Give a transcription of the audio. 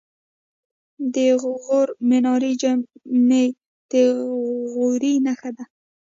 د غور منارې جمعې د غوري نښه ده